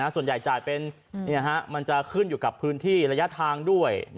ส่วนใหญ่จ่ายเป็นมันจะขึ้นอยู่กับพื้นที่ระยะทางด้วย